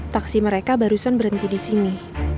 taksi mereka barusan berhenti disini